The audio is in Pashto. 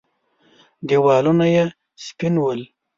دېوالونه يې سپين ول.